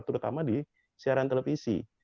terutama di siaran televisi